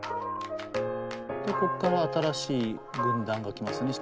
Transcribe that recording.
でこっから新しい軍団が来ますね